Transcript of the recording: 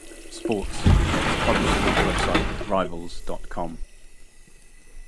Sports and its college sports website Rivals dot com.